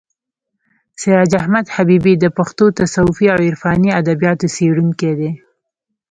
سراج احمد حبیبي د پښتو تصوفي او عرفاني ادبیاتو څېړونکی دی.